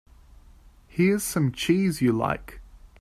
Here's some cheese you like.